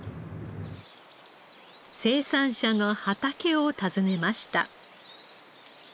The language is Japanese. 生産者の畑を訪ねました。